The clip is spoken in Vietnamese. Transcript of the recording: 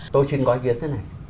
tôi xin có ý kiến thế này